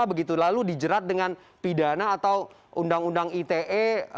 begitu lalu dijerat dengan pidana atau undang undang ite